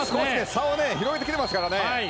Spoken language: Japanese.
差を広げてきてますからね。